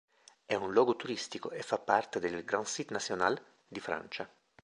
È un luogo turistico e fa parte del Grand site national di Francia.